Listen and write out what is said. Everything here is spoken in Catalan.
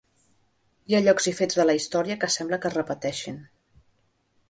Hi ha llocs i fets de la història que sembla que es repeteixin.